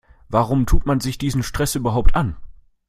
Warum tut man sich diesen Stress überhaupt an?